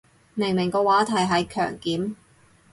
明明個話題係強檢